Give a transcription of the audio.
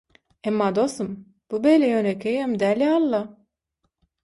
emma dostum, bu beýle ýönekeýem däl ýaly-la.